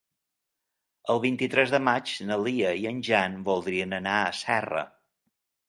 El vint-i-tres de maig na Lia i en Jan voldrien anar a Serra.